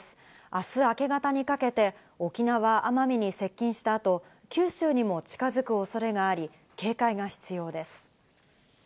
あす明け方にかけて、沖縄・奄美に接近したあと、九州にも近づくおそれがあり、警戒が必要です。